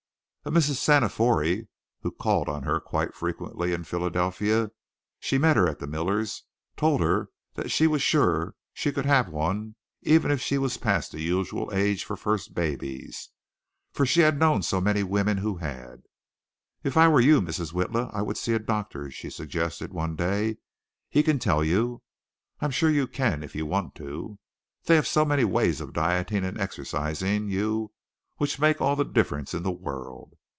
A Mrs. Sanifore who called on her quite frequently in Philadelphia she met her at the Millers' told her that she was sure she could have one even if she was past the usual age for first babies; for she had known so many women who had. "If I were you, Mrs. Witla, I would see a doctor," she suggested one day. "He can tell you. I'm sure you can if you want to. They have so many ways of dieting and exercising you which make all the difference in the world.